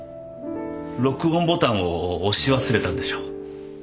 録音ボタンを押し忘れたんでしょう。